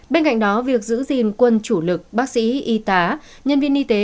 bên cạnh đó việc giữ gìn quân chủ lực bác sĩ y tá nhân viên y tế